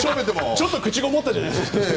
ちょっと口ごもったじゃないですか。